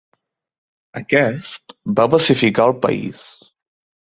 Aquest va pacificar el país.